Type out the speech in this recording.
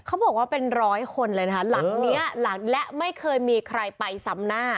เขาบอกว่าเป็นร้อยคนเลยนะคะหลังเนี้ยหลังและไม่เคยมีใครไปซ้ำหน้า